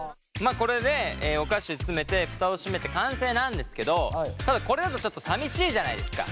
これでお菓子詰めてフタを閉めて完成なんですけどただこれだとちょっとさみしいじゃないですか。